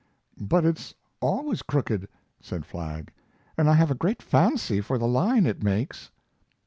"But it's always crooked," said Flagg, "and I have a great fancy for the line it makes."